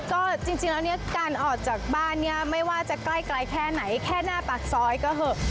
ก็จริงแล้วเนี่ยการออกจากบ้านเนี่ยไม่ว่าจะใกล้ไกลแค่ไหนแค่หน้าปากซอยก็เหอะ